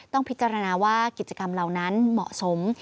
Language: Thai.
ต้องพิจารณาว่ากิจกรรมเหล่านั้นเหมาะสม